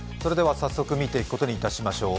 早速見ていくことにしましょう。